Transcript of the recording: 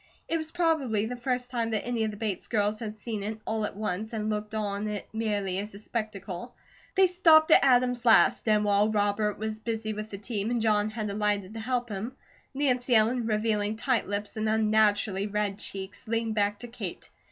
It was probably the first time that any of the Bates girls had seen it all at once, and looked on it merely as a spectacle. They stopped at Adam's last, and while Robert was busy with the team and John had alighted to help him, Nancy Ellen, revealing tight lips and unnaturally red cheeks, leaned back to Kate.